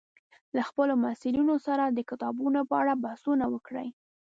له خپلو محصلینو سره د کتابونو په اړه بحثونه وکړئ